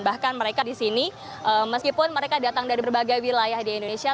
bahkan mereka di sini meskipun mereka datang dari berbagai wilayah di indonesia